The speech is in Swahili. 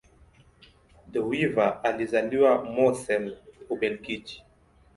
De Wever alizaliwa Mortsel, Ubelgiji.